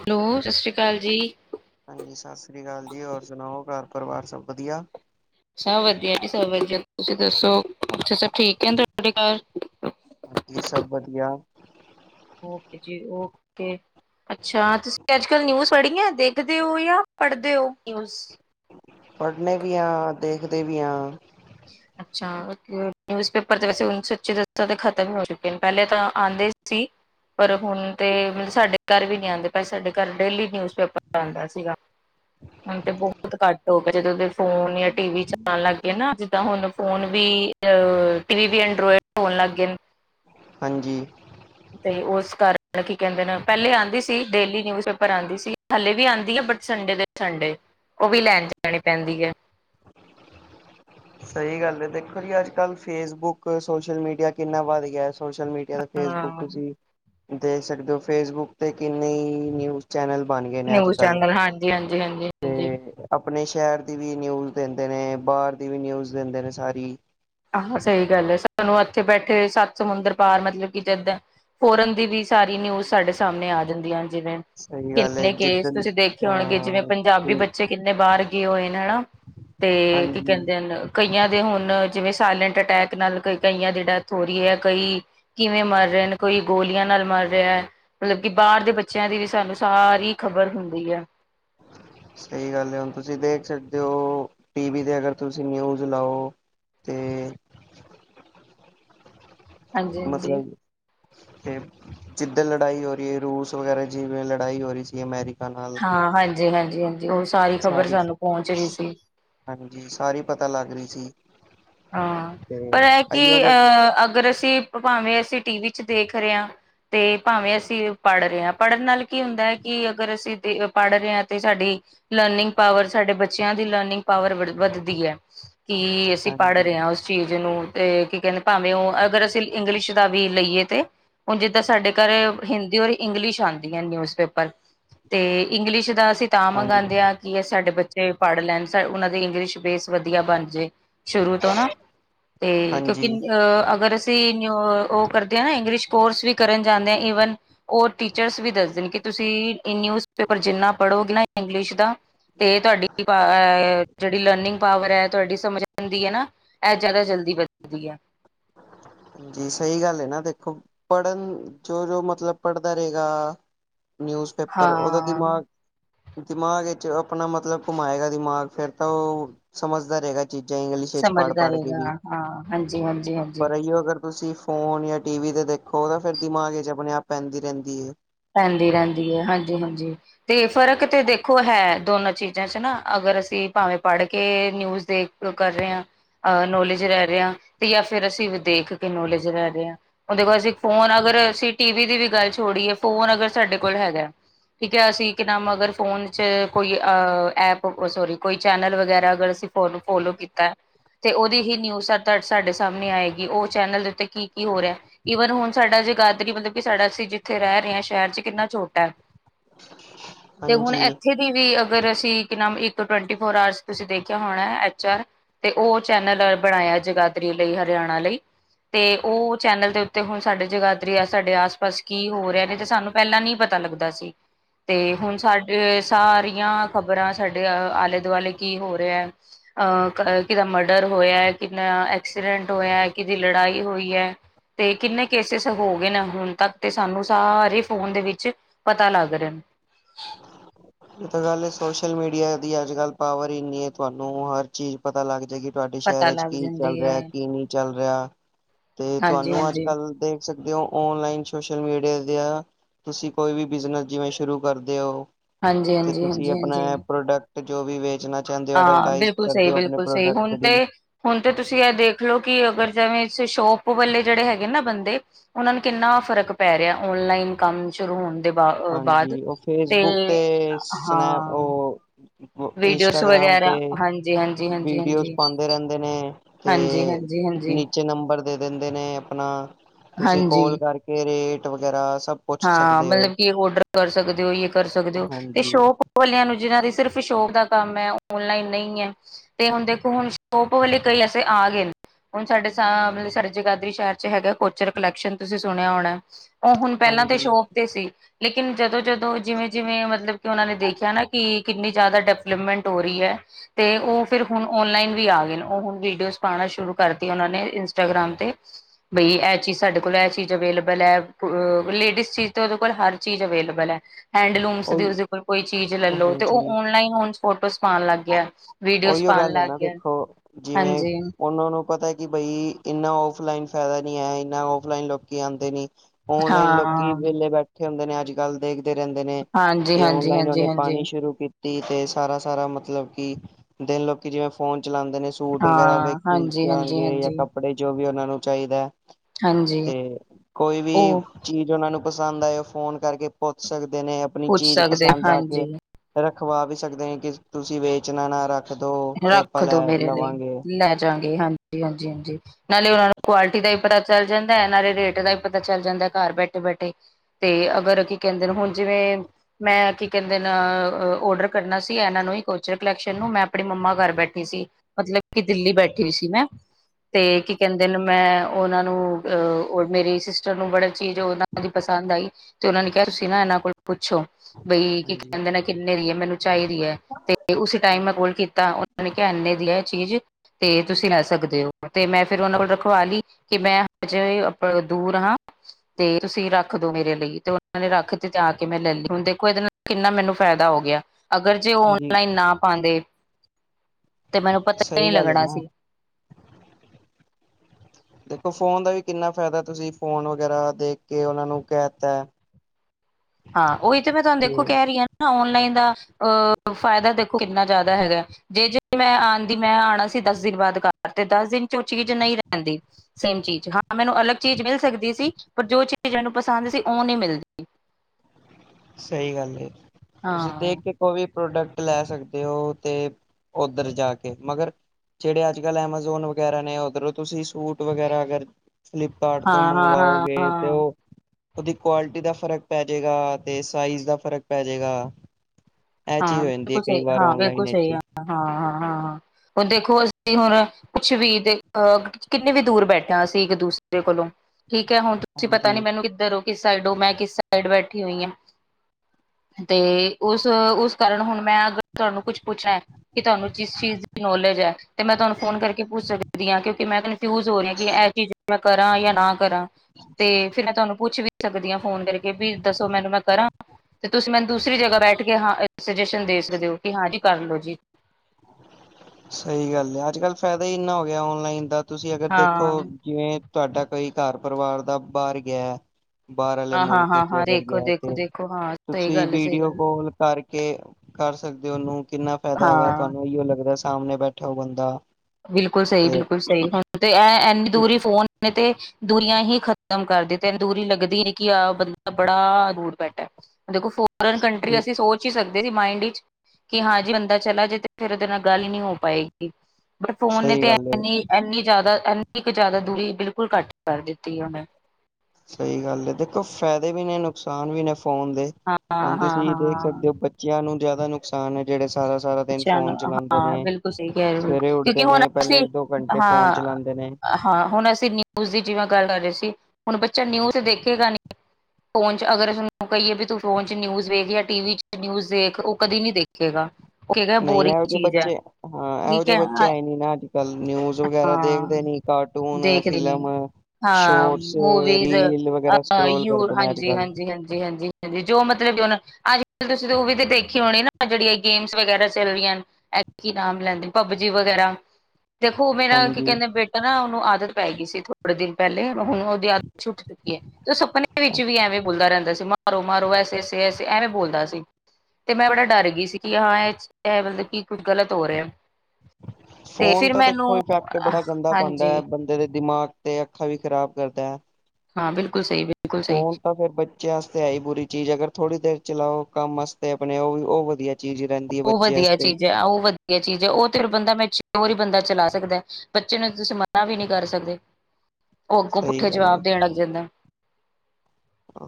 Hello. ਸਤਿ ਸ਼੍ਰੀ ਅਕਾਲ ਜੀ ਹਾਂਜੀ। ਸਤਿ ਸ਼੍ਰੀ ਅਕਾਲ ਜੀ, ਹੋਰ ਸੁਣਾਓ ਘਰ ਪਰਿਵਾਰ ਸਭ ਵਧੀਆ। ਸਭ ਵਧੀਆ ਜੀ। ਸਭ ਵਧੀਆ। ਤੁਸੀਂ ਦੱਸੋ ਉੱਥੇ ਸਭ ਠੀਕ ਆ ਤੁਹਾਡੇ ਘਰ। ਕੀ ਸਭ ਵਧੀਆ ਓਕੇ ਜੀ ਓਕੇ ਅੱਛਾ। ਤੁਸੀਂ ਅੱਜ ਕ ਨਿਊਜ ਪੜ੍ਹੀਏ, ਦੇਖਦੇ ਹੋ ਜਾਂ ਪੜ੍ਹਦੇ ਹੋ ਨਿਊਜ ਪੜ੍ਹਨੇ ਵੀ ਹਾਂ, ਦੇਖਦੇ ਵੀ ਹਾਂ। [inaudible] ਅਚਾਨਕ ਨਿਊਜ਼ ਪੇਪਰ ਤੇ ਵੈਸੇ, ਸੱਚੀ ਦਸਾਂ ਤੇ ਖਤਮ ਹੋ ਚੁੱਕੇ ਨੇ, ਪਹਿਲੇ ਤਾਂ ਆਉਂਦੇ ਸੀ। ਪਰ ਹੁਣ ਤੇ ਸਾਡੇ ਘਰ ਵੀ ਨਹੀ ਆਂਦੇ ਪਏ। ਸਾਡੇ ਘਰ ਡੇਲੀ ਨਿਊਜ਼ ਪੇਪਰ ਆਂਦਾ ਸੀਗਾ। ਹੁਣ ਤੇ ਬਹੁਤ ਘੱਟ ਹੋ ਗਿਆ। ਜਦੋਂ ਉਹ ਫੋਨ ਜਾਂ ਟੀ ਵੀ ਚੱਲਣ ਲੱਗ ਗਏ ਨਾ। ਤਾਂ ਹੁਣ ਫੋਨ ਵੀ, ਅਹ ਟੀ-ਵੀ, ਵੀ ਐਂਡਰੋਇਡ ਹੋਣ ਲੱਗ ਗਏ ਨੇ ਹਾਂਜੀ ਤੇ ਉਸ ਕਾਰਨ ਕੀ ਕਹਿੰਦੇ ਨੇ, ਪਹਿਲੇ ਆਉਂਦੀ ਸੀ। ਡੇਲੀ ਨਿਊਜ਼ਪੇਪਰ ਆਉਂਦੀ ਸੀ। ਹਾਲੇ ਵੀ ਆਉਂਦੀ ਆ। ਬਟ ਸੰਡੇ ਦੇ ਸੰਡੇ, ਉਹ ਵੀ ਲੈਣ ਜਾਣੀ ਪੈਂਦੀ ਆ। ਸਹੀ ਗੱਲ ਹੈ। ਦੇਖੋ ਜੀ ਅੱਜ ਕੱਲ੍ਹ ਫੇਸਬੁੱਕ ਸੋਸ਼ਲ ਮੀਡੀਆ ਕਿੰਨਾ ਵੱਧ ਗਿਆ। ਸੋਸ਼ਲ ਮੀਡੀਆ ਤੇ ਫੇਸਬੁੱਕ ਹਾਂ ਤੁਸੀਂ ਦੇਖ ਸਕਦੇ ਹੋ। ਫੇਸਬੁੱਕ ਤੇ ਕਿੰਨੀ ਨਿਊਜ਼ ਚੈਨਲ ਬਣ ਗਏ ਨੇ ਅੱਜ ਨਿਊਜ਼ ਕੱਲ ਚੈਨਲ ਹਾਂਜੀ ਹਾਂਜੀ ਹਾਂਜੀ ਤੇ ਹਾਂਜੀ ਆਪਣੇ ਸ਼ਹਿਰ ਦੀ ਵੀ ਨਿਊਜ਼ ਦਿੰਦੇ ਨੇ, ਬਾਹਰ ਦੀ ਵੀ ਨਿਊਜ਼ ਦਿੰਦੇ ਨੇ ਸਾਰੀ। ਆਹੋ ਸਹੀ ਗੱਲ ਏ। ਸਾਨੂੰ ਇੱਥੇ ਬੈਠੇ ਸੱਤ ਸਮੁੰਦਰ ਪਾਰ, ਮਤਲਬ ਕਿ ਜਿੱਦਾਂ ਫੋਰਨ ਦੀ ਵੀ ਸਾਰੀ ਨਿਊਜ਼ ਸਾਡੇ ਸਾਹਮਣੇ ਆ ਜਾਂਦੀ ਆ। ਜਿਵੇਂ ਸਹੀ ਗੱਲ ਹੈ ਕਿੰਨੇ ਕੇਸ ਜਿੱਦਣ ਤੁਸੀਂ ਦੇਖੇ ਹੋਣਗੇ। ਜਿਵੇਂ ਹਾਂ ਪੰਜਾਬੀ ਬੱਚੇ ਕਿੰਨੇ ਬਾਹਰ ਗਏ ਹੋਏ ਨੇ ਹਨਾ। ਤੇ ਕੀ ਹਾਂਜੀ ਕਹਿੰਦੇ ਨੇ, ਕਈਆਂ ਦੇ ਹੁਣ ਜਿਵੇਂ ਸਾਇਲੈਂਟ ਅਟੈਕ ਨਾਲ ਕਈ ਕਈਆਂ ਦੀ ਡੈਥ ਹੋ ਰਹੀ ਹੈ। ਕਈ ਕਿਵੇਂ ਮਰ ਰਹੇ ਨੇ ਕੋਈ ਗੋਲੀਆਂ ਨਾਲ ਮਰ ਰਿਹਾ ਹੈ। ਮਤਲਬ ਕਿ ਬਾਹਰ ਦੇ ਬੱਚਿਆਂ ਦੀ ਵੀ ਸਾਨੂੰ ਸਾਰੀ ਖ਼ਬਰ ਹੁੰਦੀ ਹੈ। [inaudible] ਸਹੀ ਗੱਲ ਹੈ। ਹੁਣ ਤੁਸੀਂ ਦੇਖ ਸਕਦੇ ਹੋ ਟੀ ਵੀ ਤੇ ਅਗਰ ਤੁਸੀਂ ਨਿਊਜ਼ ਲਾਓ। ਤੇ ਹਾਂਜੀ-ਹਾਂਜੀ ਮਤਲਬ ਤੇ ਜਿੱਦਾਂ ਲੜਾਈ ਹੋ ਰਹੀ ਹੈ। ਰੂਸ ਵਗੈਰਾ ਜਿਵੇਂ ਲੜਾਈ ਹੋ ਰਹੀ ਸੀ ਅਮੈਰੀਕਾ ਨਾਲ ਹਾਂ। ਹਾਂਜੀ ਹਾਂਜੀ ਹਾਂਜੀ ਉਹ ਸਾਰੀ ਖ਼ਬਰ ਸਾਨੂੰ ਪਹੁੰਚ ਰਹੀ ਸੀ। ਹਾਂਜੀ ਸਾਰੀ ਪਤਾ ਲੱਗ ਰਹੀ ਸੀ। ਹਾਂ। ਤੇ ਪਰ ਇਹ ਆਈਓ ਕਿ ਅਗਰ ਅਹ ਅਗਰ ਅਸੀਂ ਭਾਵੇਂ ਅਸੀਂ ਟੀ ਵੀ ਚ ਦੇਖ ਰਹੇ ਹਾਂ। ਤੇ ਭਾਵੇਂ ਅਸੀਂ ਪੜ੍ਹ ਰਹੇ ਹਾਂ। ਪੜ੍ਹਨ ਨਾਲ ਕੀ ਹੁੰਦਾ ਹੈ, ਕਿ ਅਗਰ ਅਸੀਂ ਪੜ੍ਹ ਰਹੇ ਹਾਂ ਤੇ ਸਾਡੀ ਲਰਨਿੰਗ ਪਾਵਰ, ਸਾਡੇ ਬੱਚਿਆਂ ਦੀ ਲਰਨਿੰਗ ਪਾਵਰ ਵੱਧਦੀ ਹੈ। ਕੀ ਪੜ੍ਹ ਹਾਂਜੀ ਰਹੇ ਹਾਂ। ਉਸ ਚੀਜ਼ ਨੂੰ ਤੇ ਕੀ ਕਹਿੰਦੇ ਭਾਵੇਂ, ਉਹ ਅਗਰ ਅਸੀਂ ਇੰਗਲਿਸ਼ ਦਾ ਵੀ ਲਈਏ ਤੇ ਹੁਣ ਜਿੱਦਾਂ ਸਾਡੇ ਘਰ ਹਿੰਦੀ ਔਰ ਇੰਗਲਿਸ਼ ਆਉਂਦੀ ਹੈ ਨਿਊਜ਼ਪੇਪਰ ਤੇ ਇੰਗਲਿਸ਼ ਦਾ ਅਸੀ ਤਾਂ ਹਾਂਜੀ ਮੰਗਵਾਉਂਦੇ ਆ। ਕਿ ਇਹ ਸਾਡੇ ਬੱਚੇ ਪੜ੍ਹ ਲੈਣ ਉਹਨਾਂ ਦੀ ਇੰਗਲਿਸ਼ ਬੇਸ ਵਧੀਆ ਬਣ ਜੇ। ਸ਼ੁਰੂ ਤੋਂ ਨਾ। ਤੇ ਕਿਉਂਕਿ ਹਾਂਜੀ ਅਹ ਅਗਰ ਅਸ ਸੀਂ, ਉਹ ਕਰਦੇ ਹ ਨਾ। ਇੰਗਲਿਸ਼ ਕੋਰਸ ਵੀ ਕਰਨ ਜਾਂਦੇ ਆ ਈਵਨ ਉਹ ਟੀਚਰਸ ਵੀ ਦੱਸਦੇ ਨੇ, ਕਿ ਤੁਸੀਂ ਇਹ ਨਿਊਜ਼ ਪੇਪਰ ਜਿੰਨਾ ਪੜ੍ਹੋਗੇ ਨਾ ਇੰਗਲਿਸ਼ ਦਾ ਤੇ ਤੁਹਾਡੀ ਜਿਹੜੀ ਲਰਨਿੰਗ ਪਾਵਰ ਹੈ ਤੁਹਾਡੀ ਸਮਝ ਜਾਂਦੀ ਹੈ ਨਾ। ਇਹ ਜ਼ਿਆਦਾ ਜਲਦੀ ਵਧਦੀ ਆ। ਜੀ ਸਹੀ ਗੱਲ ਹੈ ਨਾ ਦੇਖੋ। ਪੜ੍ਹਨ ਜੋ-ਜੋ ਮਤਲਬ ਪੜ੍ਹਦਾ ਰਹੇਗਾ। ਨਿਊਜ਼ ਪੇਪਰ ਉਹਦਾ ਹਾਂ ਦਿਮਾਗ ਦਿਮਾਗ ਵਿੱਚ ਆਪਣਾ ਮਤਲਬ, ਘੁਮਾਏਗਾ ਦਿਮਾਗ, ਫੇਰ ਤਾਂ ਉਹ ਸਮਝਦਾ ਰਹੇਗਾ। ਚੀਜ਼ਾਂ ਇੰਗਲਿਸ਼ ਵਿੱਚ ਪੜ੍ਹ- ਸਮਝਦਾ ਪੜ੍ਹ ਕੇ ਵੀ, ਰਹੇਗਾ ਹਾਂ ਹਾਂਜੀ ਹਾਂਜੀ ਹਾਂਜੀ ਪਰ ਇਹੀਓ ਅਗਰ ਤੁਸੀਂ ਫੋਨ ਜਾਂ ਟੀ ਵੀ ਤੇ ਦੇਖੋ ਤਾਂ। ਫੇਰ ਦਿਮਾਗ ਵਿੱਚ ਆਪਣੇ ਆਪ ਪੈਂਦੀ ਰਹਿੰਦੀ ਏ। ਪੈਂਦੀ ਰਹਿੰਦੀ ਹੈ। ਹਾਂਜੀ ਹਾਂਜੀ ਤੇ ਫਰਕ ਤੇ ਦੇਖੋ ਹੈ ਦੋਨਾਂ ਚੀਜ਼ਾਂ ਚ ਨਾ, ਅਗਰ ਅਸੀਂ ਭਾਵੇਂ ਪੜ੍ਹ ਕੇ ਨਿਊਜ਼ ਦੇ ਕਰ ਰਹੇ ਹਾਂ ਅ ਨੌਲੇਜ ਰਹਿ ਰਹੇ ਆਂ ਤੇ ਜਾਂ ਫਿਰ ਅਸੀਂ ਦੇਖ ਕੇ ਨੌਲੇਜ ਰਹਿ ਰਹੇ ਆਂ, ਉਹਦੇ ਕੋਲ ਅਸੀਂ ਫੋਨ ਅਗਰ ਅਸੀਂ ਟੀਵੀ ਦੀ ਵੀ, ਗੱਲ ਛੋੜੀਏ ਫੋਨ ਅਗਰ ਸਾਡੇ ਕੋਲ ਹੈਗਾ ਠੀਕ ਹੈ, ਅਸੀਂ ਕਿ ਨਾਮ, ਅਗਰ ਫੋਨ ਚ ਕੋਈ ਅ ਐਪ, ਸੋਰੀ ਕੋਈ ਚੈਨਲ, ਵਗੈਰਾ ਅਗਰ ਅਸੀਂ ਫੋਲੋ, ਫੋਲੋ ਕੀਤਾ ਤੇ, ਉਹਦੀ ਹੀ ਨਿਊਜ਼ ਸਾਡੇ ਸਾਹਮਣੇ ਆਏਗੀ। ਚੈਨਲ ਦੇ ਉੱਤੇ ਕੀ ਕੀ ਹੋ ਰਿਹਾ? ਈਵਨ ਹੁਣ ਸਾਡਾ ਜਗਾਦਰੀ ਮਤਲਬ, ਕਿ ਸਾਡਾ ਅਸੀਂ ਜਿੱਥੇ ਰਹਿ ਰਹੇ ਹਾਂ, ਸ਼ਹਿਰ ਚ ਕਿੰਨਾ ਛੋਟਾ ਹੈ, ਤੇ ਹੁਣ ਹਾਂਜੀ, ਇੱਥੇ ਵੀ ਅਗਰ ਅਸੀਂ, ਕੀ ਨਾਮ, ਇੱਕ ਟਵੰਟੀ ਫੋਰ ਆਰਸ ਤੁਸੀਂ ਦੇਖਿਆ ਹੋਣਾ ਐਚ- ਆਰ ਤੇ ਉਹ ਚੈਨਲ ਬਣਾਇਆ, ਜਗਾਦਰੀ ਲਈ ਹਰਿਆਣਾ ਲਈ ਤੇ ਉਹ ਚੈਨਲ ਦੇ ਉੱਤੇ, ਹੁਣ ਸਾਡੇ ਜਗਾਦਰੀ ਸਾਡੇ ਆਸ ਪਾਸ ਕੀ ਹੋ ਰਿਹਾ ਤੇ ਸਾਨੂੰ ਪਹਿਲਾਂ, ਨੀ ਤਾ ਲੱਗਦਾ ਸੀ। ਤੇ ਹੁਣ ਸਾਡੇ, ਸਾਰੀਆਂ ਖ਼ਬਰਾਂ ਸਾਡੇ ਅ ਆਲੇ ਦੁਆਲੇ ਕੀ ਹੋ ਰਿਹਾ। ਅ ਕਿਦਾ ਮਰਡਰ ਹੋਇਆ ਹੈ? ਕਿਨਾ ਐਕਸੀਡੈਂਟ ਹੋਇਆ ਹੈ? ਕਿਦੀ ਲੜਾਈ ਹੋਈ ਹੈ? ਤੇ ਕਿੰਨੇ ਕੇਸਿਸ ਹੋ ਗਏ ਨੇ, ਹੁਣ ਤੱਕ ਤੇ ਸਾਨੂੰ ਸਾਰੇ ਫੋਨ ਦੇ ਵਿੱਚ, ਪਤਾ ਲੱਗ ਰਿਹਾ ਇਹ ਤਾਂ ਗੱਲ ਸੋਸ਼ਲ ਮੀਡੀਆ ਦੀ ਅੱਜ -ਕੱਲ ਪਾਵਰ ਇੰਨੀ ਐ, ਤੁਹਾਨੂੰ ਹਰ ਚੀਜ਼ ਪਤਾ ਲੱਗ ਜਾਏਗੀ। ਤੁਹਾਡੇ ਸ਼ਹਿਰ ਪਤਾ ਵਿੱਚ ਲੱਗ ਕੀ ਚੱਲ ਜਾਂਦੀ ਹੈ ਰਿਹਾ, ਕੀ ਨਹੀਂ ਚੱਲ ਰਿਹਾ, ਤੇ ਹਾਂਜੀ ਤੁਹਾਨੂੰ ਅੱਜ- ਹਾਂਜੀ ਕੱਲ ਦੇ ਸਕਦੇ ਹੋ, ਔਨਲਾਈਨ ਸੋਸ਼ਲ ਮੀਡੀਆ ਦੀਆਂ ਤੁਸੀਂ ਕੋਈ ਵੀ ਬਿਜਨਸ ਜਿਵੇਂ ਸ਼ੁਰੂ ਕਰਦੇ ਹੋ। ਹਾਂਜੀ ਤੇ ਹਾਂਜੀ ਤੁਸੀਂ, ਹਾਂਜੀ ਹਾਂਜੀ ਆਪਣਾ ਪ੍ਰੋਡਕਟ ਜੋ ਵੀ ਵੇਚਣਾ ਚਾਹੁੰਦੇ ਹੋ ਹਾਂ, ਐਡਵਰਟਾਈਜ਼ ਬਿਲਕੁਲ ਕਰਦੇ ਸਹੀ- ਹੋ ਆਪਣੇ ਬਿਲਕੁਲ ਸਹੀ, ਪ੍ਰੋਡਕਟ ਹੁਣ ਦੀ। ਤੇ ਹੁਣ ਤਾਂ, ਤੁਸੀਂ ਐ ਦੇਖ ਲਓ ਕਿ, ਅਗਰ ਜਿਵੇਂ ਸ਼ੋਪ ਵਾਲੇ ਜਿਹੜੇ ਹੈਗੇ ਨਾ, ਬੰਦੇ ਉਹਨਾਂ ਨੂੰ ਕਿੰਨਾ ਫ਼ਰਕ ਪੈ ਰਿਹਾ, ਔਨਲਾਈਨ ਕੰਮ ਸ਼ੁਰੂ ਹੋਣ ਦੇ ਬਾਅਦ ਹਾਂਜੀ, ਉਹ ਤੇ ਫੇਸਬੁੱਕ ਤੇ ਸਨੈਪ ਹਾਂ ਉਹ ਵੀਡੀਓਜ਼ ਇੰਸਟਾਗ੍ਰਾਮ, ਵਗੈਰਾ ਤੇ ਹਾਂਜੀ ਹਾਂਜੀ ਹਾਂਜੀ ਵੀਡੀਓਜ਼ ਹਾਂਜੀ ਪਾਉਂਦੇ ਰਹਿੰਦੇ ਨੇ ਹਾਂਜੀ ਤੇ, ਹਾਂਜੀ ਹਾਂਜੀ ਨੀਚੇ ਨੰਬਰ ਦੇ ਦਿੰਦੇ ਨੇ ਆਪਣਾ, ਤੁਸੀਂ ਹਾਂਜੀ ਕੋਲ ਕਰਕੇ ਰੇਟ ਵਗੈਰਾ ਸਭ ਪੁੱਛ ਹਾਂ, ਸਕਦੇ ਹੋ ਮਤਲਬ ਕਿ ਔਡਰ ਕਰ ਸਕਦੇ ਓ, ਯੇ ਕਰ ਸਕਦੇ ਓ, ਤੇ ਹਾਂਜੀ ਸ਼ੋਪ ਔਨਲਾਈਨ ਜਿਹਨਾਂ ਦੀ ਸਿਰਫ਼ ਸ਼ੋਪ ਦਾ ਕੰਮ ਹੈ, ਔਨਲਾਈਨ ਨਈ ਐ। ਤੇ ਹੁਨ ਦੇਖੋ, ਹੁਨ ਸ਼ੋਪ ਵਾਲੇ ਕਈ ਐਸੇ ਆ ਗਏ ਨ। ਹੁਣ ਸਾਡੇ ਸ ਮਤਲਬ ਸਾਡੇ ਜਗਾਦਰੀ ਸ਼ਹਿਰ 'ਚ ਹੈਗਾ 'ਕੋਚਰ ਕਲੈਕਸ਼ਨ' ਤੁਸੀਂ ਸੁਣਿਆ ਹੋਣਾ ਉਹ ਹੁਨ ਪਹਿਲਾਂ ਤੇ ਹਾਂਜੀ ਸ਼ੌਪ ਤੇ ਸੀ। ਲੇਕਿਨ ਜਦੋਂ -ਜਦੋਂ, ਜਿਵੇਂ -ਜਿਵੇਂ, ਮਤਲਬ ਕਿ ਉਹਨਾਂ ਨੇ ਦੇਖਿਆ ਨਾ, ਕਿ ਕਿੰਨੀ ਜ਼ਿਆਦਾ ਡਿਵਲਪਮੈਂਟ ਹੋ ਰਹੀ ਹੈ। ਤੇ ਉਹ ਫਿਰ, ਹੁਣ ਓਨਲਾਈਨ ਵੀ ਆ ਗਏ ਨ, ਉਹ ਹੁਣ ਵੀਡੀਓਸ ਪਾਉਣਾ ਸ਼ੁਰੂ ਕਰਤੀ ਉਹਨਾਂ ਨੇ, ਇੰਸਟਾਗ੍ਰਾਮ ਤੇ ਬਈ ਐਹ ਚੀਜ਼ ਸਾਡੇ ਕੋਲ ਐਹ ਚੀਜ਼ ਅਵੇਲੇਬਲ ਹੈ ਪ ਲੇਡੀਜ਼ ਚੀਜ਼ ਤੇ ਉਹਦੇ ਕੋਲ ਹਰ ਚੀਜ਼ ਅਵੇਲੇਬਲ ਹੈ। ਹੈਂਡਲੂਮਸ ਦੇ ਉਹੀ ਉਸ ਦੇ ਕੋਲੋ ਕੋਈ ਚੀਜ਼ ਲੈਲੋ, ਤੇ ਉਹ ਹਾਂਜੀ ਓਨਲਾਈਨ ਓਨਸ ਫੋਟੋਸ ਪਾਣ ਲੱਗ ਗਿਐ। ਓਹੀਓ ਗੱਲ ਐ ਨਾ ਦੇਖੋ ਜਿਵੇਂ ਹਾਂਜੀ ਉਹਨਾਂ ਨੂੰ ਪਤਾ ਕਿ ਬਈ ਇੰਨਾ ਔਫਲਾਈਨ ਫਾਇਦਾ ਨੀ ਹੈ ਇਨਾ ਔਫਲਾਈਨ ਲੋਕੀ ਆਂਦੇ ਨਹੀਂ। ਔਨਲਾਈਨ ਲੋਕੀ ਹਾਂ ਵੇਲੇ ਬੈਠ ਕਹਿੰਦੇ ਨੇ ਅੱਜ- ਕੱਲ੍ਹ ਦੇਖਦੇ ਰਹਿੰਦੇ ਨੇ ਹਾਂਜੀ ਤੇ ਹਾਂਜੀ ਓਨਲਾਈਨ ਹਾਂਜੀ ਉਹਨੇ ਹਾਂਜੀ ਪਾਣੀ ਸ਼ੁਰੂ ਕੀਤ ਤੇ-ਤੇ ਸਾਰਾ-ਸਾਰਾ ਮਤਲਬ ਕੀ ਦਿਨ ਲੋਕੀ ਜਿਵੇਂ ਫੋਨ ਚਲਾਂਦੇ ਨੇ ਸੂਟ ਵਗੈਰਾ ਵੀ ਹਾਂ ਵਿੱਕ ਹਾਂਜੀ ਹਾਂਜੀ ਜਾਣਗੇ ਜਾਂ ਹਾਂਜੀ ਕੱਪੜੇ, ਜੋ ਵੀ ਉਹਨਾ ਨੂੰ ਚਾਹੀਦੈ। ਹਾਂਜੀ ਤੇ ਕੋਈ ਵੀ ਉਹ ਚੀਜ਼ ਜੋ ਉਹਨਾਂ ਨੂੰ ਪਸੰਦ ਆਏ ਉਹ ਫੋਨ ਕਰਕੇ ਪੁੱਛ ਸਕਦੇ ਨੇ ਆਪਣੀ ਪੁੱਛ ਚੀਜ਼ ਸਕਦੇ ਪਸੰਦ ਆ ਕੇ ਹਾਂਜੀ ਰਖਵਾ ਵੀ ਸਕਦੇ ਨੇ ਜੇ ਤੁਸੀਂ ਵੇਚਣਾ ਨਾ ਰੱਖ ਦੋ ਤੇ ਆਪਾਂ ਰੱਖ ਲੈ ਦੋ ਮੇਰੇ ਲਈ, ਲਵਾਂਗੇ। ਲੈ ਜਾਂਗੇ ਹਾਂਜੀ, ਹਾਂਜੀ, ਹਾਂਜੀ। ਨਾਲੇ ਉਹਨਾਂ ਨੂੰ ਕੁਆਲਿਟੀ ਦਾ ਈ ਪਤਾ ਚੱਲ ਜਾਂਦਾ ਨਾਲੇ ਰੇਟ ਦਾ ਈ ਪਤਾ ਚੱਲ ਜਾਂਦਾ ਘਰ ਬੈਠੇ-ਬੈਠੇ ਤੇ ਅਗਰ ਕੀ ਕਹਿੰਦੇ ਨੇ ਹੁਣ ਜਿਵੇਂ ਮੈਂ ਕੀ ਕਹਿੰਦੇ ਨਾ, ਔਡਰ ਕਰਨਾ ਸੀ ਇਹਨਾਂ ਨੂੰ, 'ਕੋਚਰ ਕਲੈਕਸ਼ਨ' ਨੂੰ ਮੈਂ ਆਪਣੇ ਮੰਮਾ ਘਰ ਬੈਠੀ ਸੀ, ਮਤਲਬ ਕਿ ਦਿੱਲੀ ਬੈਠੀ ਸੀ ਮੈਂ। ਤੇ ਕੀ ਕਹਿੰਦੇ ਨੇ ਮੈਂ ਉਹਨਾਂ ਨੂੰ ਅਹ ਉਹ ਮੇਰੀ ਸਿਸਟਰ ਨੂੰ ਬੜਾ ਚੀਜ਼ ਉਹ ਨਾ ਦੀ ਪਸੰਦ ਆਈ, ਤੇ ਉਨਾਂ ਨੇ ਕਿਆ ਤੁਸੀਂ ਨਾ ਇਨਾਂ ਕੋਲ ਪੁੱਛੋ। ਬਈ ਕੀ ਹਾਂਜੀ। ਕੇਂਦੇ ਨੇ ਕਿੰਨੇ ਦੀ ਐ ਮੈਨੂੰ ਚਾਈਦੀ ਐ, ਤੇ ਉਸੀ ਟਾਈਮ ਮੈਂ ਕੋਲ ਕੀਤੀ ਤਾਂ ਉਨਾਂ ਨੇ ਕਿਆ ਇਨੇ ਦੀ ਏ ਚੀਜ਼, ਤੇ ਤੁਸੀਂ ਲੈ ਸਕਦੇ ਓ। ਤੇ ਮੈਂ ਫੇਰ ਉਨਾਂ ਕੋਲ ਰਖਵਾ ਲੀ ਕਿ ਮੈਂ ਹਜੇ ਅ ਅਪ ਦੂਰ ਹਾਂ। ਤੇ ਤੁਸੀਂ ਰੱਖ ਦੋ ਮੇਰੇ ਲਈ, ਤੇ ਉਨਾਂ ਨੇ ਰੱਖ ਤੇ ਆ ਕੇ ਮੈਂ ਲੈ ਲੀ, ਹੁਣ ਦੇਖੋ ਏਦੇ ਨਾਲ ਕਿੰਨਾ ਮੈਨੂੰ ਫੈਦਾ ਹੋ ਗਿਆ, ਅਗਰ ਜੇ ਓ ਜੀ ਔਨਲਾਈਨ ਨਾ ਪਾਂਦੇ ਤੇ ਮੈਨੂੰ ਪਤਾ ਇ ਨੀ ਸਹੀ ਗੱਲ ਹੈ ਲੱਗਣਾ ਨਾ। ਸੀ। ਦੇਖੋ ਫੋਨ ਦਾ ਵੀ ਕਿੰਨਾ ਫੈਦਾ ਤੁਸੀਂ ਫੋਨ ਵਗੈਰਾ ਦੇਖ ਕੇ ਉਨਾਂ ਨੂੰ ਕੈ ਤੈ। ਹਾਂ ਓਈ ਤੇ ਮੈਂ ਤਾਨੂੰ ਦੇਖੋ ਕੈ ਰੀ ਆਂ। ਔਨਲਾਈਨ ਦਾ ਅਹ ਫੈਦਾ ਦੇਖੋ ਕਿੰਨਾ ਜਾਦਾ ਹੈਗੈ। ਜੇ ਜੇ ਮੈਂ ਆਦੀ ਮੈਂ ਆਣਾ ਸੀ ਦਸ ਦਿਨ ਬਾਦ ਘਾਰ, ਤੇ ਦਸ ਦਿਨ ਚ ਓ ਚੀਜ਼ ਨਈ ਰੈਂਦੀ। ਸੇਮ ਚੀਜ਼ ਹਾਂ ਮੈਨੂੰ ਅਲੱਗ ਚੀਜ਼ ਮਿਲ ਸਕਦੀ ਸੀ, ਪਰ ਜੋ ਚੀਜ਼ ਮੈਨੂੰ ਪਸੰਦ ਸੀ ਓ ਨੀ ਮਿਲਦੀ। ਸਈ ਗੱਲ ਏ, ਹਾਂ ਤੁਸੀਂ ਦੇਖ ਕੇ ਓ ਵੀ ਪ੍ਰੋਡਕਟ ਲੈ ਸਕਦੇ ਓ ਤੇ, ਓਧਰ ਜਾ ਕੇ ਮਗਰ ਜੇੜੇ ਅੱਜ ਕੱਲ੍ਹ ਐਮਾਜੋਨ ਵਗੈਰਾ ਨੇ ਓਧਰੋਂ ਤੁਸੀਂ ਸੂਟ ਵਗੈਰਾ ਅਗਰ ਫਲਿਪ ਕਾਰਟ ਤੋਂ ਹਾਂ ਹਾਂ ਹਾਂ ਮੰਗਵਾਓਗੇ ਤੇ ਓ ਹਾਂ ਓਦੀ ਕੁਆਲਿਟੀ ਦਾ ਫ਼ਰਕ ਪੈ ਜੇਗਾ, ਤੇ ਸਾਈਜ਼ ਦਾ ਫ਼ਰਕ ਪੈ ਜੇਗਾ। ਹਾਂ ਬਿਲਕੁਲ ਸਈ, ਹਾਂ ਬਿਲਕੁਲ ਸਈ ਹਾਂ, ਹਾਂ, ਹਾਂ, ਹਾਂ, ਹਾਂ, ਹੁਣ ਦੇਖੋ ਅਸੀਂ ਹੁਣ ਕੁਛ ਵੀ ਦੇ ਅਹ ਕਿੰਨੇ ਵੀ ਦੂਰ ਬੈਠੇ ਹਾਂ ਅਸੀਂ ਇੱਕ ਦੂਸਰੇ ਕੋਲੋਂ, ਠੀਕ ਐ ਹੁਣ ਤੁਸੀ ਪਤਾ ਨੀ ਹਾਂਜੀ ਮੈਨੂੰ ਕਿੱਧਰ ਓ? ਕਿਸ ਸਾਈਡ ਓ ਮੈਂ ਕਿਸ ਸਾਈਡ ਬੈਠੀ ਹੋਈ ਆਂ, ਤੇ ਉਸ ਉਸ ਕਾਰਣ ਹੁਣ ਮੈਂ ਅਗਰ ਤੁਆਨੂੰ ਕੁੱਛ ਪੁੱਛੈਂ ਕਿ ਤਾਨੂੰ ਜਿਸ ਚੀਜ਼ ਦੀ ਨੌਲੇਜ ਐ, ਤੇ ਮੈਂ ਤੁਆਨੂੰ ਫੋਨ ਕਰਕੇ ਪੁੱਛ ਸਕਦੀ ਆਂ ਕਿਉਂਕਿ ਮੈਂ ਫਿਊਜ ਹੋ ਰੀ ਕਿ ਐ ਚੀਜ਼ ਮੈਂ ਕਰਾਂ ਯਾਂ ਨਾ ਕਰਾਂ, ਤੇ ਫੇਰ ਮੈਂ ਤੁਆਨੂੰ ਪੁੱਛ ਵੀ ਸਕਦੀ ਆਂ ਫੋਨ ਕਰਕੇ ਵੀ ਦੱਸੋ ਮੈਨੂੰ ਮੈਂ ਕਰਾਂ, ਤੇ ਤੁਸੀਂ ਮੈਨੂੰ ਦੂਸਰੀ ਜਗ੍ਹਾ ਬੈਠ ਉੱਠ ਕੇ ਹਾਂ ਸੁਜੈਸ਼ਨ ਦੇ ਸਕਦੇ ਓ ਕਿ ਹਾਂ ਜੀ ਕਰ ਲੋ ਜੀ। ਸਈ ਗੱਲ ਐ ਅੱਜ ਕੱਲ ਫੈਦਾ ਈ ਏਨਾ ਹੋ ਗਿਆ ਔਨਲਾਈਨ ਦਾ, ਤੁਸੀਂ ਅਗਰ ਹਾਂ ਦੇਖੋ ਜਿਵੇਂ ਤਾਡਾ ਕੋਈ ਘਰ ਪਰਵਾਰ ਦਾ ਬਾਰ ਗਿਐ। ਬਾਰ ਅਲੇ ਹਾਂ ਹਾਂ ਮੁਲਕ ਹਾਂ 'ਚ' ਹਾਂ ਅਗਰ ਦੇਖੋ ਗਿਆ ਦੇਖੋ ਤੇ, ਦੇਖੋ ਹਾਂ ਸਹੀ ਤੁਸੀਂ ਗੱਲ ਹੈ ਸਹੀ ਵੀਡੀਓ ਗੱਲ ਕੋਲ ਕਰਕੇ ਕਰ ਸਕਦੇ ਓ ਉਨੂੰ ਕਿੰਨਾ ਫ਼ੈਦਾ ਹੈਗਾ ਹਾਂ ਤੁਆਨੂੰ ਓਈਓ ਲੱਗਦਾ ਸਾਮਣੇ ਬੈਠਾ ਓ ਬੰਦਾ। ਬਿਲਕੁਲ ਸਈ- ਤੇ ਬਿਲਕੁਲ ਸਈ, ਹੁਣ ਤੇ ਐ ਏਨੀ ਦੂਰੀ ਫੋਨ ਨੇ ਤੇ ਦੂਰੀਆਂ ਹੀ ਖ਼ਤਮ ਕਰ ਦਿਤੀ ਤੈਨੂੰ ਦੂਰੀ ਲੱਗਦੀ ਨੀ ਕਿ ਆਹ ਬੰਦਾ ਬੜਾ ਦੂਰ ਬੈਠਾ। ਦੇਖੋ ਫੋਰਨ ਕੰਟਰੀ ਅਸੀਂ ਸੋਚ ਪੁੱਛ ਈ ਸਕਦੇ ਸੀ ਮਾਇਂਡ ਇੱਚ, ਕੀ ਹਾਂ ਜੀ ਬੰਦਾ ਚਲਾ ਜੇ ਤੇ ਫਿਰ ਉਦੇ ਨਾਲ ਗੱਲ ਈ ਨੀ ਹੋ ਪਾਏਗੀ। ਬ ਫੋਨ ਨੇ ਸਹੀ ਤੇ ਗੱਲ ਹੈ ਐਨੀ ਐਨੀ ਜ਼ਾਦਾ ਏਨੀ ਕੁ ਜ਼ਾਦਾ ਦੂਰੀ ਬਿਲਕੁਲ ਘੱਟ ਕਰ ਦਿੱਤੀ ਉਨੇ। ਸਈ ਗੱਲ ਏ, ਦੇਖੋ ਫੈਦੇ ਵੀ ਨੇ ਨੁਕਸਾਨ ਵੀ ਨੇ ਫੋਨ ਦੇ, ਹਾਂ ਹਾਂ ਹੁਨ ਹਾਂ ਤੁਸੀਂ ਦੇਖ ਹਾਂ ਸਕਦੇ ਓ ਬ ਬੱਚਿਆਂ ਨੂੰ ਜਾਦਾ ਨੁਕਸਾਨ ਏ ਜੇੜੇ ਸਾਰਾ-ਸਾਰਾ ਬੱਚਿਆਂ ਨੂੰ ਹਾਂ ਬਿਲਕੁਲ ਸਈ ਕੈ ਰੇ ਓ, ਸਵੇਰੇ ਕਿਉਂਕਿ ਉੱਠਦੇ ਹੁਣ ਨੇ ਅਸੀਂ, ਪਹਿਲੇ ਇੱਕ ਦੋ ਘੰਟੇ ਫੋਨ ਹਾਂ ਚਲਾਉਂਦੇ ਨੇ ਹਾਂ ਹੁਣ ਅਸੀਂ ਨਿਊਜ਼ ਦੀ ਜਿਵੇਂ ਗੱਲ ਕਰ ਰੇ ਸੀ, ਹੁਣ ਬੱਚਾ ਨਿਊਜ਼ ਤੇ ਦੇਖੇਗਾ ਨੀ। ਫੋਨ ਚ ਅਗਰ ਅਸੀ ਓਨੂੰ ਕਹੀਏ ਵੀ ਤੂੰ ਫੋਨ' ਚ ਨਿਊਜ਼ ਵੇਖ ਜਾਂ ਟੀਵੀ 'ਚ' ਨਿਊਜ਼ ਦੇਖ ਓ ਕਦੇ ਨੀ ਦੇਖੇਗਾ। ਉਹ ਕਹੇਗਾ ਨਈ ਏਹੋ ਬੋਰਿੰਗ ਜੇ ਚੀਜ਼ ਹੈ ਬੱਚੇ ਹਾਂ ਏਹੋ ਠੀਕ ਜੇ ਹੈ ਬੱਚੇ ਐ ਨੀ ਨਾ ਅੱਜ ਕੱਲ੍ਹ, ਨਿਊਜ਼ ਵਗੈਰਾ ਹਾਂ ਦੇਖਦੇ ਨੀ। ਕਾਰਟੂਨ, ਦੇਖਦੇ ਨੀ। ਫਿਲਮ ਹਾਂ ਸ਼ੋਟਸ, ਮੂਵੀਜ਼ ਰੀਲ ਵਗੈਰਾ ਅ ਸਕਰੋਲ ਯੂ ਕਰਦੇ ਨੇ ਅੱਜ ਹਾਂਜੀ ਕੱਲ। ਹਾਂਜੀ, ਹਾਂਜੀ, ਹਾਂਜੀ ਜੋ ਮਲਬ ਬੀ ਉਨਾਂ ਅੱਜ ਕੱਲ ਤੁਸੀਂ ਓ ਵੀ ਤਾਂ ਦੇਖੇ ਹੋਣੀ ਨਾ ਜੇੜੀਆਂ ਗੇਮਸ ਵਗੈਰਾ ਚੱਲ ਰੀਆਂ ਨ। ਐ ਕੀ ਨਾਮ ਲੈਂਦੇ ਪਬਜੀ ਵਗੈਰਾ, ਦੇਖੋ ਮੇਰਾ ਕੀ ਹਾਂਜੀ ਕੇਂਦੇ ਬੇਟ ਨਾ ਉਨੂੰ ਆਦਤ ਪੈ ਗਈ ਸੀ ਥੋੜੇ ਦਿਨ ਪੈਲੇ ਹੁਣ ਓਦੀ ਆਦਤ ਛੁੱਟ ਚੁੱਕੀ ਏ, ਸ ਪਨੇ ਵਿੱਚ ਵੀ ਐਵੇਂ ਬੋਲਦਾ ਰੇਂਦਾ ਸੀ ਮਾਰੋ -ਮਾਰੋ ਐਸੇ ਐਸੇ -ਐਸੇ ਐਵੇਂ ਬੋਲਦਾ ਸੀ। ਤੇ ਮੈਂ ਬੜਾ ਡਰ ਗਈ ਸੀ ਕਿ ਹਾਂ ਐ ਐ ਮਲਬ ਕੀ ਕੁੱਝ ਗ਼ਲਤ ਓ ਰਿਆ। ਫੋਨ ਤਾਂ ਦੇਖੋ ਇਫੈਕਟ ਬੜਾ ਗੰਦਾ ਪਾਂਦਾ ਐ। ਹਾਂਜੀ ਬੰਦ ਫੇਰ ਏ ਦਿਮਾਗ ਤੇ ਅੱਖਾਂ ਵੀ ਖ਼ਰਾਬ ਕਰਦਾ। ਹਾਂ ਬਿਲਕੁਲ ਸਈ। ਬਿਲ- ਫੋਣ ਤਾਂ ਫਿਰ- ਬੱਚਿਆਂ ਅੲਤੇ ਐਈ ਬੁਰੀ ਚੀਜ਼ ਏ ਅਗਰ ਥੋੜੀ ਦੇਰ ਚਲਾਓ ਕੰਮ ਵਸਤੇ ਆਪਣੇ ਓ ਓ ਵਧੀਆ। ਚੀਜ਼ ਰਹਿੰਦੀ ਹੈ ਓ ਬੱਚੇ ਵਧੀਆ ਵਾਸਤੇ ਚੀਜ਼ ਐ। ਓ ਵਧੀਆ ਚੀਜ਼ ਐ। ਓ ਤੇ ਬੰਦਾ ਮੈਂਚਿਓਰ ਈ ਬੰਦਾ ਚਲਾ ਸਕਦਾ। ਬੱਚੇ ਨੂੰ ਤੁਸੀਂ ਮਨਾ ਵੀ ਨੀ ਕਰ ਸਕਦੇ। ਓ ਅੱਗੋਂ ਸਹੀ ਪੁੱਠੇ ਗੱਲ ਹੈ ਜਵਾਬ ਦੇਣ ਲੱਗ ਜਾਂਦਾ।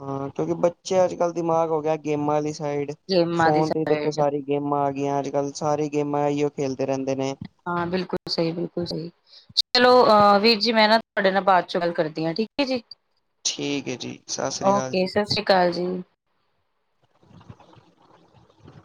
ਹਾਂ ਕਿਉਂਕਿ ਬੱਚੇ ਅੱਜ ਕੱਲ੍ਹ ਦਿਮਾਗ ਹੋ ਗਿਆ ਗੇਮਾਂ ਅਲੀ ਸਾਈਡ ਗੇਮਾਂ ਦੀ ਫੋਨ ਤੇ- ਸਾਈਡ ਸਾਰੀ ਗੇਮਾਂ ਆ ਗਈਆਂ। ਅੱਜ ਕੱਲ੍ਹ ਸਾਰੀ ਗੇਮਾਂ ਐ ਈਓ ਖੇਲਦੇ ਰੇਂਦੇ ਨੇ। ਹਾਂ ਬਿਲਕੁਲ ਸਈ -ਬਿਲਕੁਲ ਸਈ। ਚਲੋ ਅ ਵੀਰ ਜੀ ਮੈਂ ਨਾ ਤੁਆਡੇ ਨਾਲ ਬਾਦ ਚੋਂ ਗੱਲ ਕਰਦੀ ਆਂ। ਠੀਕ ਏ ਜੀ। ਠੀਕ ਹੈ ਜੀ ਸਤਿ ਸ੍ਰੀ ਅਕਾਲ ਜੀ ਓਕੇ ਸਾਸਰੀ ਕਾਲ ਜੀ।